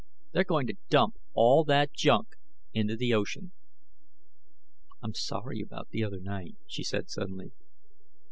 They're going to dump all that junk into the ocean." "I'm sorry about the other night," she said suddenly.